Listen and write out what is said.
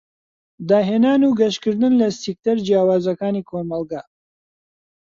داهێنان و گەشکردن لە سیکتەر جیاوازەکانی کۆمەلگا.